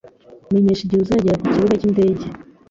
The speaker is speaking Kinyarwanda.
Menyesha igihe uzagera kukibuga cyindege